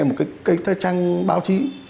một trang báo chí